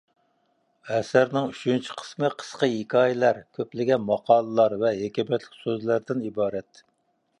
ئەسەرنىڭ ئۈچىنچى قىسمى قىسقا ھېكايىلەر، كۆپلىگەن ماقالىلەر ۋە ھېكمەتلىك سۆزلەردىن ئىبارەت.